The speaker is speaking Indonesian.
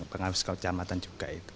pengawas kamar juga itu